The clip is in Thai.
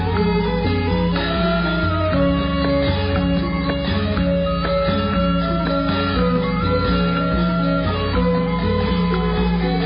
ขอร้องมองมายสุขภูมิคุ้นคล้ายสุขฝันใจมา